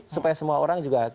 supaya semua orang juga